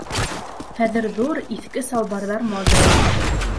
Хәҙер ҙур, иҫке салбарҙар модала.